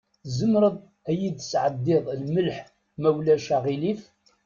Tzemreḍ ad yi-d-tesɛeddiḍ lmelḥ, ma ulac aɣilif?